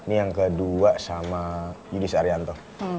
ini yang kedua sama yudis arianto